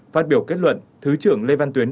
phát biểu kết luận thứ trưởng lê văn tuyến